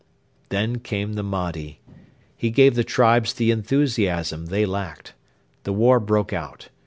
Then came the Mahdi. He gave the tribes the enthusiasm they lacked. The war broke out.